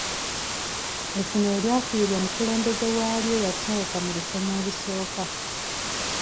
Essomero lyafiirwa omukulembeze walyo eyasooka mu lusoma olusooka.